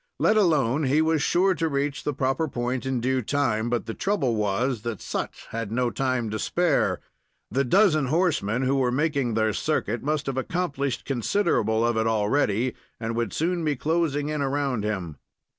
Let alone, he was sure to reach the proper point in due time; but the trouble was that Sut had no time to spare. The dozen horsemen who were making their circuit must have accomplished considerable of it already, and would soon be closing in around him.